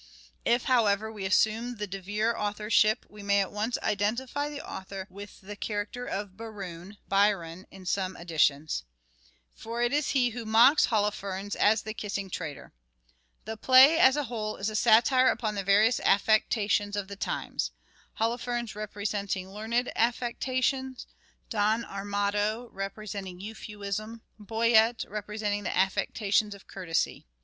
If, however, we assume the De Vere authorship we may at once identify the author with the character of Berowne (Biron, in some editions). For it is he who mocks Holof ernes as the " kissing traitor." The play as a whole is a satire upon the various affectations of the times : Holofernes representing learned affectation, Don Armado representing Euphuism, Boyet repre senting the affectations of courtesy.